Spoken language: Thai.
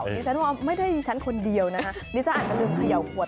ดิฉันว่าไม่ได้ดิฉันคนเดียวนะคะดิฉันอาจจะลืมเขย่าขวด